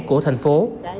của thành phố